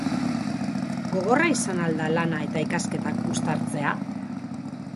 Gogorra izan al da lana eta ikasketak uztartzea?